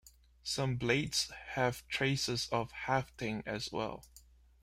Some blades have traces of hafting as well.